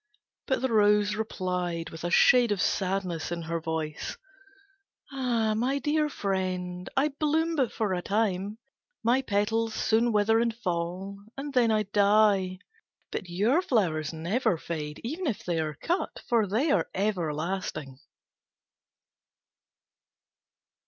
But the Rose replied with a shade of sadness in her voice, "Ah, my dear friend, I bloom but for a time: my petals soon wither and fall, and then I die. But your flowers never fade, even if they are cut; for they are everlasting."